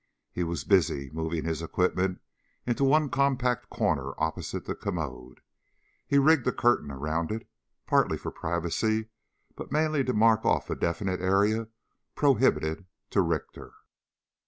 He was busy moving his equipment into one compact corner opposite the commode. He rigged a curtain around it, partly for privacy but mainly to mark off a definite area prohibited to Richter.